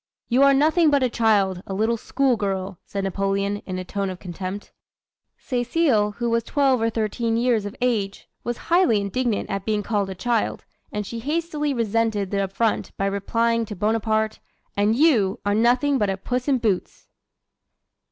"'You are nothing but a child, a little school girl,' said Napoleon, in a tone of contempt. "Cecile, who was twelve or thirteen years of age, was highly indignant at being called a child, and she hastily resented the affront by replying to Bonaparte, 'And you are nothing but a Puss in Boots!'"